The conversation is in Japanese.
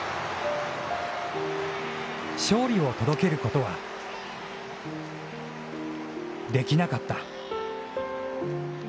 勝利を届けることは、できなかった。